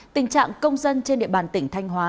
tình trạng công dân trên địa bàn tỉnh thanh hóa